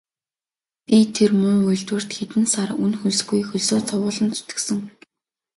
Би тэр муу үйлдвэрт хэдэн сар үнэ хөлсгүй хөлсөө цувуулан зүтгэсэн.